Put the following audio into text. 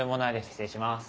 失礼します。